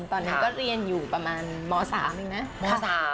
ตอนนั้นก็เรียนอยู่ประมาณม๓เองนะม๓